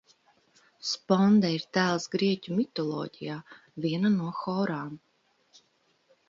Sponde ir tēls grieķu mitoloģijā, viena no horām.